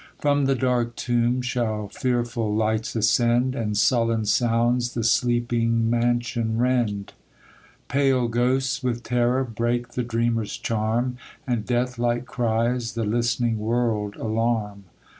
From the dark tomb shall fearful lights ascend, And sullen sounds the sleeping mansion rend ; Pale ghosts with terror break the dreamer's charm, And death like cries the listening world alarm.